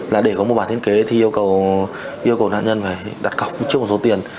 là để có một bản thiết kế thì yêu cầu yêu cầu nạn nhân phải đặt cọc trước một số tiền